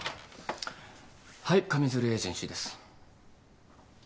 はい上水流エージェンシーです。